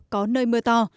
có nơi mưa to